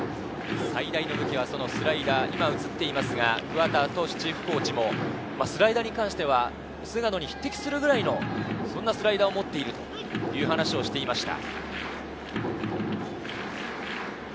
最大の武器はそのスライダー、今、映っていますが桑田投手チーフコーチも、スライダーに関しては菅野に匹敵するくらいのそんなスライダーを持っているという話をしていました。